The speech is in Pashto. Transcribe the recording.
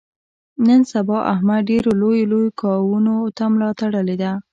نن سبا احمد ډېرو لویو لویو کاونو ته ملا تړلې ده.